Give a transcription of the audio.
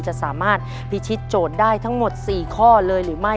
จะสามารถพิชิตโจทย์ได้ทั้งหมด๔ข้อเลยหรือไม่